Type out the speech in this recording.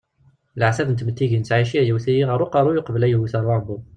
Leɛtab n tmetti ideg nettɛici yewwet-iyi ɣer uqerruy uqbel ad iyi-iwet ɣer uɛebbuḍ.